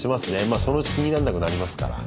まあそのうち気になんなくなりますから。